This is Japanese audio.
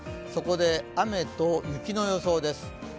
そこで雨と雪の予想です。